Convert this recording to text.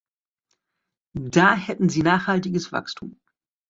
Da hätten Sie nachhaltiges Wachstum.